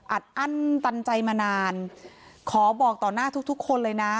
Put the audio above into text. อัดอั้นตันใจมานานขอบอกต่อหน้าทุกทุกคนเลยนะ